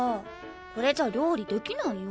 これじゃ料理できないよ。